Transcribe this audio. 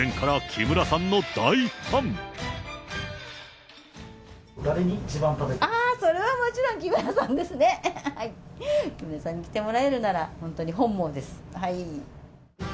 木村さんに来てもらえるなら、本当に本望です。